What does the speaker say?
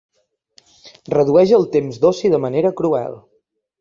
Redueix el temps d'oci de manera cruel.